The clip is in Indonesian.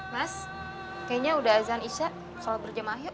mas kayaknya udah azan isya soal berjemah yuk